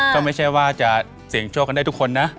ก็ไม่ใช่ว่าจะเสี่ยงโชคกันได้ทุกคนนะ